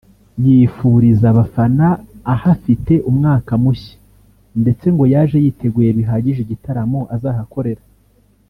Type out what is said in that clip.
yifuriza abafana ahafite umwaka mushya ndetse ngo yaje yiteguye bihagije igitaramo azahakorera